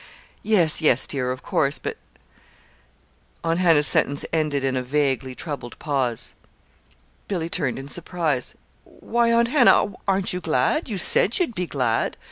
"Yes, yes, dear, of course; but " Aunt Hannah's sentence ended in a vaguely troubled pause. Billy turned in surprise. "Why, Aunt Hannah, aren't you glad? You said you'd be glad!"